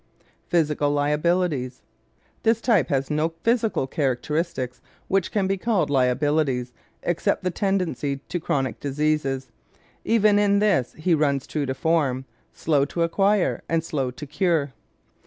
Physical Liabilities ¶ This type has no physical characteristics which can be called liabilities except the tendency to chronic diseases. Even in this he runs true to form slow to acquire and slow to cure.